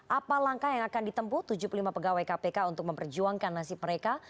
apa langkah yang akan ditempu tujuh puluh lima pegawai kpk untuk memperjuangkan nasib mereka